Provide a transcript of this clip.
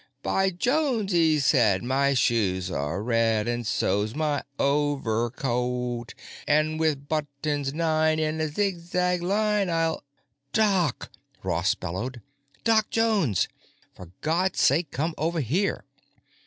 'By Jones,' he said, 'my shoes are red, and so's my overcoat, And with buttons nine in a zigzag line, I'll——'" "Doc!" Ross bellowed. "Doc Jones! For God's sake, come over here!"